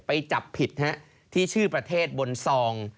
ไปจับผิดที่ชื่อประเทศบนซอง